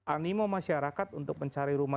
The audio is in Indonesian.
animo masyarakat untuk mencari rumah